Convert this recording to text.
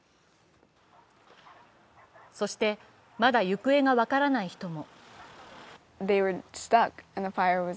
そして、まだ行方が分からない人も。